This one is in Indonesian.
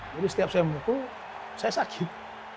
jadi setiap saya menukul saya sakit